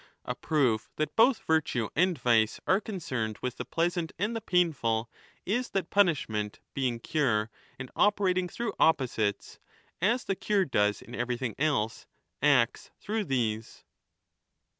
35 A proof that both virtue and vice are concerned with the pleasant and the painful is that punishment being cure and operating through opposites, as the cure does in everything else, acts through these.